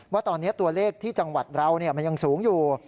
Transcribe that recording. ว่าตอนนี้ตัวเลขที่จังหวัดเรามันยังสูงอยู่